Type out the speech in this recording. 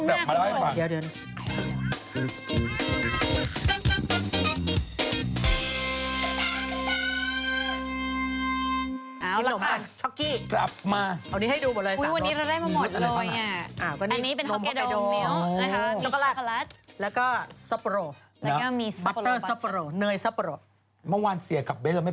เดี๋ยวปล่ามาเล่ากันหรือเปล่าเดี๋ยวเล่าเป็นประวัติ